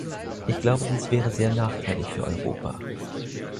Ich glaube, dies wäre sehr nachteilig für Europa.